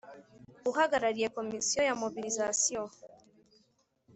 Uhagarariye Komisiyo ya Mobilisation